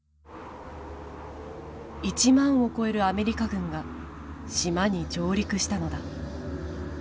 １万を超えるアメリカ軍が島に上陸したのだ。